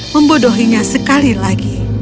membodohinya sekali lagi